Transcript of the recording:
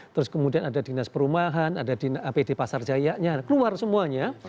terus kemudian ada dinas perumahan ada di apd pasar jayanya keluar semuanya